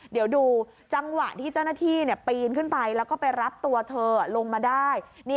เดี๋ยวดูจังหวะที่เจ้าหน้าที่ปีนขึ้นไปแล้วก็ไปรับตัวเธอลงมาได้